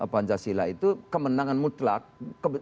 pancasila itu kemenangan mutlak